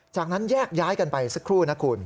จากนั้นแยกย้ายกันไปสักครู่นะคุณ